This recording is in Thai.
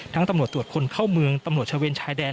ตำรวจตรวจคนเข้าเมืองตำรวจชะเวนชายแดน